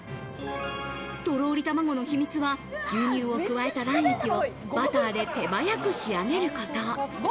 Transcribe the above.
とろり卵の秘密は牛乳を加えた卵液をバターで手早く仕上げること。